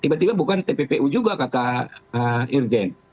tiba tiba bukan tppu juga kata irjen